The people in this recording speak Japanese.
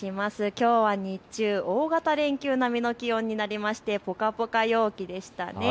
きょうは日中大型連休並みの気温になりましてぽかぽか陽気でしたね。